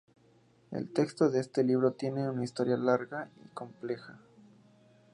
El texto de este libro tiene una historia larga y compleja.